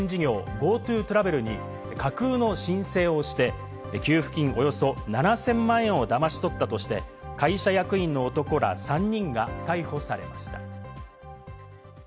ＧｏＴｏトラベルに架空の申請をして、給付金およそ７０００万円をだまし取ったとして、会社役員の男ら３人が逮捕されました。